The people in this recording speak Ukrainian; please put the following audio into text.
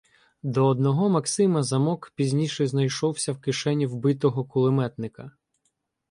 До одного "Максима" замок пізніше знайшовся в кишені вбитого кулеметника.